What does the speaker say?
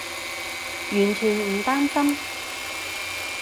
完全唔擔心